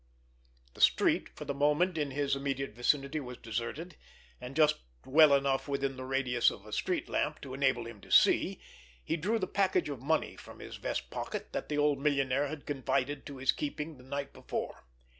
The street for the moment in his immediate vicinity was deserted, and just well enough within the radius of a street lamp to enable him to see, he drew the package of money from his vest pocket that the old millionaire had confided to his keeping the night before.